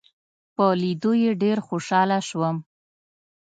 په لیدو یې ډېر خوشاله شوم.